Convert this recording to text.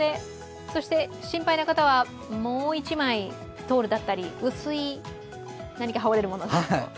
そして心配な方はもう一枚ストールだったり、薄い何か羽織れるものがあると。